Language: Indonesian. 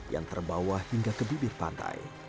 yang terbawa hingga ke bibir pantai